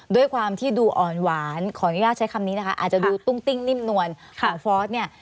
ด้วยความที่ดูอ่อนหวานขออนุญาตใช้คำนี้นะคะอาจจะดูตุ้งติ้งนิ่มนวลของฟอสเนี่ย